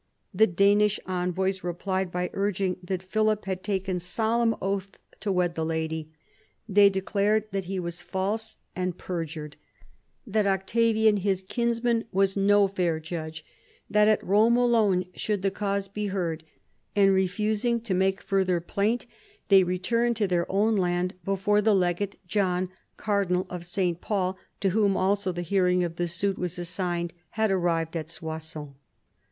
The Danish envoys replied by urging that Philip had taken solemn oath to wed 172 PHILIP AUGUSTUS chap. the lady : they declared that he was false and perjured, that Octavian, his kinsman, was no fair judge, that at Rome alone should the cause be heard, and, refusing to make further plaint, they returned to their own land before the legate John, cardinal of S. Paul, to whom also the hearing of the suit was assigned, had arrived at Soissons.